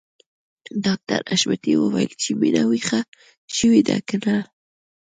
ډاکټر حشمتي وويل چې مينه ويښه شوې ده که نه